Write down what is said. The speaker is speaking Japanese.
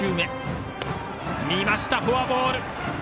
見ました、フォアボール。